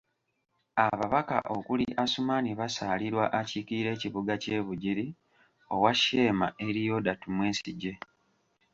Ababaka okuli Asuman Basalirwa akiikirira ekibuga ky'e Bugiri, owa Sheema, Elioda Tumwesigye.